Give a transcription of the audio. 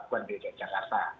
sempat diberlakukan dki jakarta